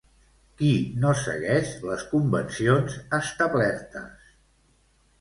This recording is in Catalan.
Qui no segueix les convencions establertes?